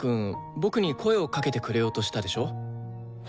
僕に声をかけてくれようとしたでしょう？